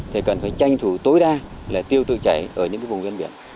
thì cần phải tranh thủ tối đa là tiêu tự chảy ở những cái vùng gian biển